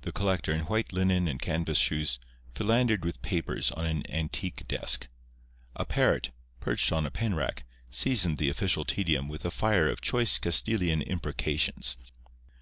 The collector, in white linen and canvas shoes, philandered with papers on an antique desk. A parrot, perched on a pen rack, seasoned the official tedium with a fire of choice Castilian imprecations.